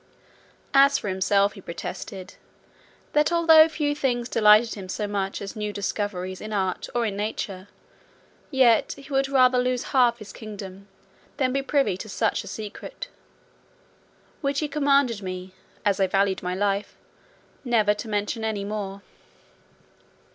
As for himself, he protested, that although few things delighted him so much as new discoveries in art or in nature, yet he would rather lose half his kingdom, than be privy to such a secret; which he commanded me, as I valued any life, never to mention any more."